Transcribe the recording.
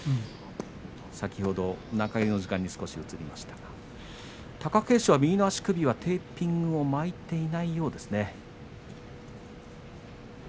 先ほど中入りの時間に少し映りましたが貴景勝は右の足首のテーピングを巻いていないようですね。